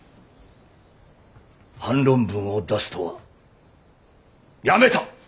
反論文を出すとはやめた！